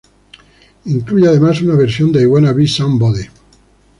Incluye además una versión de "I Wanna Be Somebody".